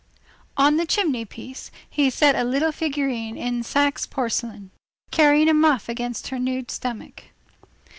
—On the chimney piece, he set a little figure in Saxe porcelain, carrying a muff against her nude stomach.